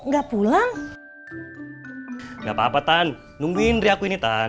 gapapa tan nungguin indri aku ini tan